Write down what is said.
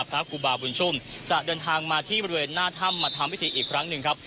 พระครูบาบุญชุมจะเดินทางมาที่บริเวณหน้าถ้ำมาทำพิธีอีกครั้งหนึ่งครับ